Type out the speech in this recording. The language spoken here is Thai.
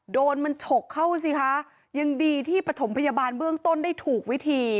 โดนมันฉกเข้าสิคะยังดีที่ปฐมพยาบาลเบื้องต้นได้ถูกวิธี